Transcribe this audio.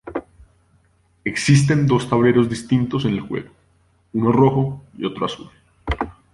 Existen dos tableros distintos en el juego, uno rojo y otro azul.